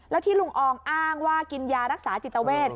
แล้วที่ลุงอองอ้างว่ากินยารักษาจิตเวท